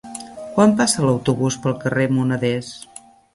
Quan passa l'autobús pel carrer Moneders?